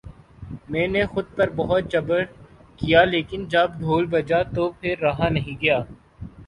میں نے خود پر بہت جبر کیا لیکن جب ڈھول بجا تو پھر رہا نہیں گیا